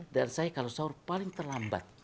saya kalau sahur paling terlambat